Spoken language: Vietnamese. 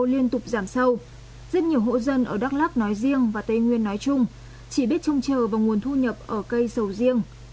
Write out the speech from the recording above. liên tục giảm sâu rất nhiều hộ dân ở đắk lắc nói riêng và tây nguyên nói chung chỉ biết trông chờ vào nguồn thu nhập ở cây sầu riêng